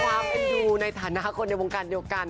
เอ็นดูในฐานะคนในวงการเดียวกัน